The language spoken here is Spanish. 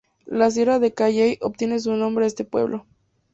La Sierra de Cayey obtiene su nombre de este pueblo.